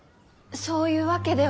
そういうわけでは。